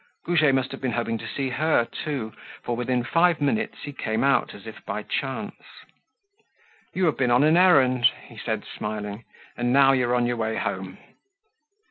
Goujet must have been hoping to see her, too, for within five minutes he came out as if by chance. "You have been on an errand," he said, smiling. "And now you are on your way home."